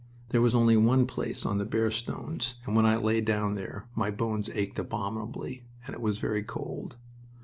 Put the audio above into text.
There was only one place on the bare stones, and when I lay down there my bones ached abominably, and it was very cold.